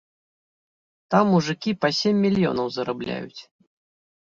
Там мужыкі па сем мільёнаў зарабляюць.